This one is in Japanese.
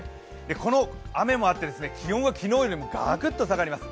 この雨もあって、気温は昨日よりガクッと下がります。